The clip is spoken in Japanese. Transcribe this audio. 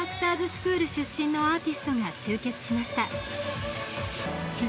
スクール出身のアーティストが集結しました。